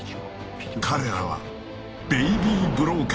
［彼らは］